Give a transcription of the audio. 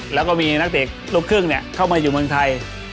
แล้วก็มีนักเตะลูกครึ่งเข้ามาอยู่เมืองไทย